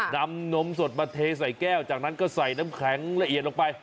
นมสดมาเทใส่แก้วจากนั้นก็ใส่น้ำแข็งละเอียดลงไป